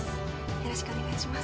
よろしくお願いします。